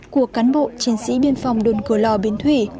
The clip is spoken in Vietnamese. của cán bộ chiến sĩ biên phòng đồn cửa lò bến thủy